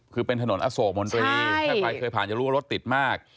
คือเป็นถนนอโศกมนตรีถ้าใครเคยผ่านจะรู้ว่ารถติดมาก